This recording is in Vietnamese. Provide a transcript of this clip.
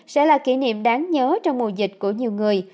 sẽ là kỷ niệm đáng nhớ trong mùa dịch của nhiều người